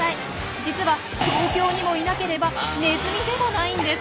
実は東京にもいなければネズミでもないんです。